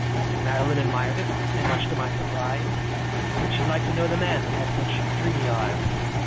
And Madeline admired it, and much to my surprise, Said she'd like to know the man that had such dreamy eyes.